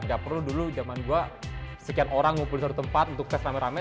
gak perlu dulu zaman gue sekian orang ngumpul di satu tempat untuk tes rame rame